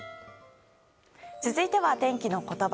続いては天気のことば。